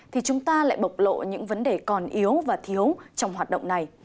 thì chúng ta lại bộc lộ những vấn đề còn yếu và thiếu trong hoạt động này